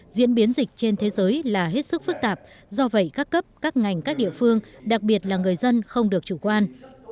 diễn biến dịch trên thế giới là hết sức phức tạp do vậy các cấp các ngành các địa phương đặc biệt là người dân không được chủ quan